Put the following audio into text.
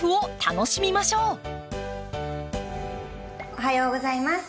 おはようございます。